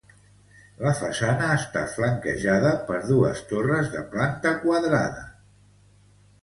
La façana està flanquejada per dos torres de planta quadrada.